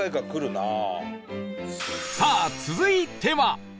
さあ続いては